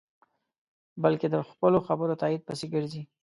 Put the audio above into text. بلکې د خپلو خبرو تایید پسې گرځي.